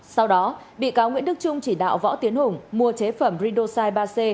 sau đó bị cáo nguyễn đức trung chỉ đạo võ tiến hùng mua chế phẩm ridosite ba c